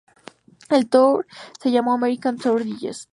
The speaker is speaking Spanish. El tour se llamó American Tour Digest.